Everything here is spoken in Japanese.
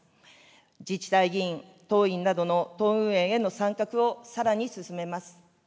自治体議員、党員などの党運営への参画をさらに進めます。